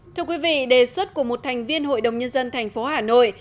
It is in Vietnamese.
thưa quý vị đề xuất của một thành viên hội đồng nhân dân thành phố hà nội